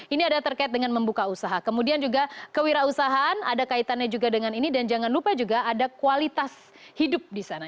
ini ada terkait dengan membuka usaha kemudian juga kewirausahaan ada kaitannya juga dengan ini dan jangan lupa juga ada kualitas hidup di sana